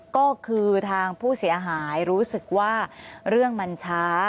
ก็คือทางผู้เสียหายรู้สึกว่าเรื่องมันช้า